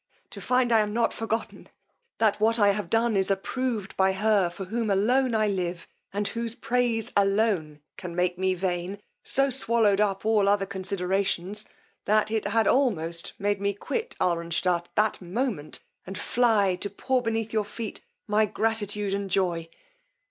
To find I am not forgotten! That what I have done is approved by her for whom alone I live, and whose praise alone can make me vain, so swallowed up all other considerations, that it had almost made me quit Alranstadt that moment, and fly to pour beneath your feet my gratitude and joy!